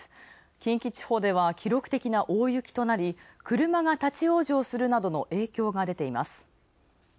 近畿地方では、記録的な大雪となり、車が立ち往生するなどの影響が出ています。